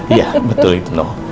iya betul itu dong